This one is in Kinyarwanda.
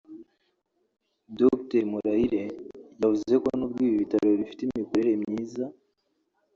Dr Murayire yavuze ko n’ubwo ibi bitaro bifite imikorere myiza